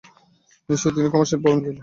নিশ্চয় তিনি ক্ষমাশীল, পরম দয়ালু।